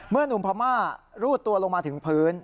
เมื่อนุมพม่ารูดตัวลงมาถึงพื้น